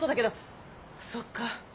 そっか。